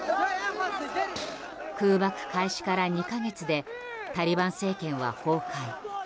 空爆開始から２か月でタリバン政権は崩壊。